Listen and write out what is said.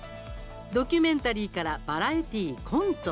ドキュメンタリーからバラエティー、コント